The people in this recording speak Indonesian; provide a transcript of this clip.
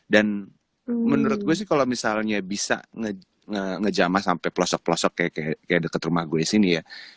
dan menurut gue sih kalau misalnya bisa ngejama sampai pelosok pelosok kayak dekat rumah gue sini ya